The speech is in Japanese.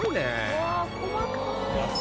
うわ細かい。